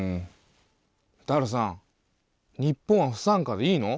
ダルさん日本は不参加でいいの？